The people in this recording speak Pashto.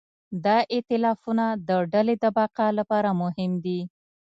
دا ایتلافونه د ډلې د بقا لپاره مهم دي.